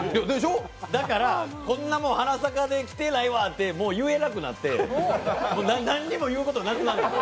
だからこんなん「花咲か」で着てへんわ！って言えなくなって何も言うことなくなった。